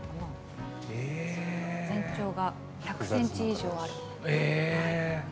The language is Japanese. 全長が１００ｃｍ以上ある。